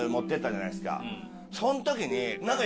そん時に。